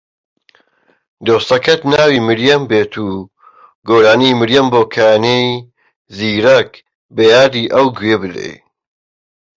دۆستەکەت ناوی مریەم بێت و گۆرانی مریەم بۆکانی زیرەک بە یادی ئەو گوێ بدەی